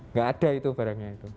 nggak ada itu barangnya itu